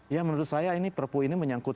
ya menurut saya ini perpu ini menyangkut